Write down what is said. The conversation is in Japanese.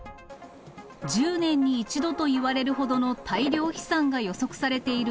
１０年に１度といわれるほどの大量飛散が予測されている